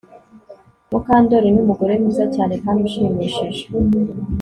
mukandoli numugore mwiza cyane kandi ushimishije